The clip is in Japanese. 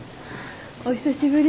お久しぶり。